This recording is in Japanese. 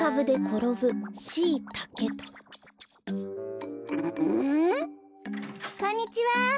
こんにちは！